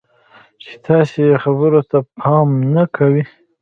چې تاسې یې خبرو ته پام نه کوئ.